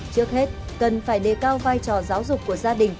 trước hết cần phải đề cao vai trò giáo dục của gia đình